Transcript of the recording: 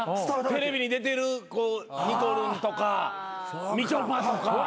テレビに出てるにこるんとかみちょぱとか。